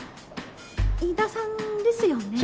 飯田さんですよね？